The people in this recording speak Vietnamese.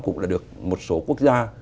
cũng đã được một số quốc gia